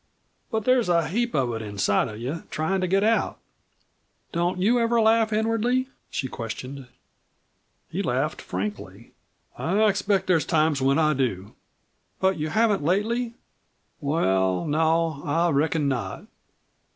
But there's a heap of it inside of you tryin' to get out." "Don't you ever laugh inwardly?" she questioned. He laughed frankly. "I expect there's times when I do." "But you haven't lately?" "Well, no, I reckon not."